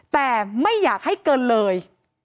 แต่ไม่อยากให้เกินเลย